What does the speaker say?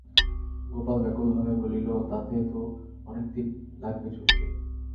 গোপাল ব্যাকুলভাবে বলিল, তাতে তো অনেকদিন লাগবে শশী।